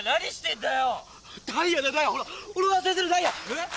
えっ？